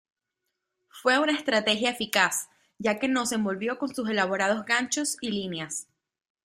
Fue una estrategia eficaz, ya que nos envolvió con sus elaborados ganchos y líneas".